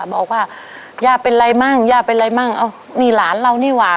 บอกว่าย่าเป็นไรบ้างย่าเป็นไรบ้างมีหลานเรานี่หว่า